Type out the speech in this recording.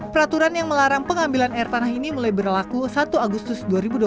peraturan yang melarang pengambilan air tanah ini mulai berlaku satu agustus dua ribu dua puluh